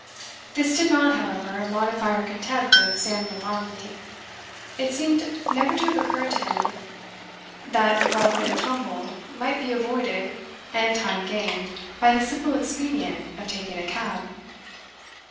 This did not, however, modify her contempt of Samuel Barmby; it seemed never to have occurred to him that the rough and tumble might be avoided, and time gained, by the simple expedient of taking a cab.